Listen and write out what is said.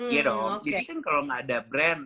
iya dong jadi kan kalau gak ada brand